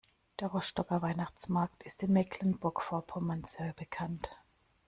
Der Rostocker Weihnachtsmarkt ist in Mecklenburg Vorpommern sehr bekannt.